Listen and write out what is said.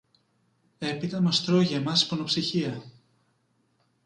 Έπειτα μας τρώγει εμάς η πονοψυχιά!